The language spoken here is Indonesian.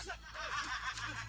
ia sneak us